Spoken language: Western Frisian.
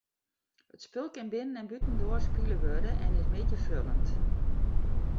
It spul kin binnen- en bûtendoar spile wurde en is middeifoljend.